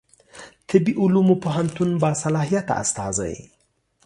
طبي علومو پوهنتون باصلاحیته استازی